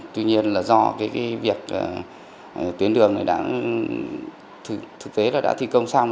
tuy nhiên là do việc tuyến đường thực tế đã thi công xong